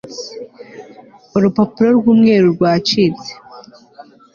urupapuro rw'umweru rwacitse